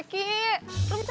oke udah cabut ya